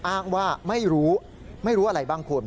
อ้างว่าไม่รู้ไม่รู้อะไรบ้างคุณ